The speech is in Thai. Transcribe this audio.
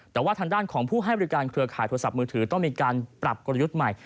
แต่ว่าทางด้านของผู้ให้บริการเครือข่ายโทรศัพท์มือถือต้องมีการปรับกลยุทธ์ใหม่